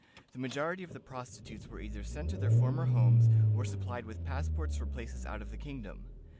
The majority of the prostitutes were either sent to their former homes or supplied with passports for places out of the kingdom.